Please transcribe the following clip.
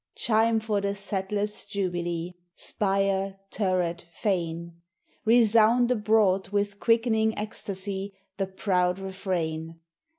Chime for the Settlers' Jubilee, Spire, turret, fane! Resound abroad, with quickening ecstasy, The proud refrain.